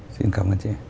xin cảm ơn chị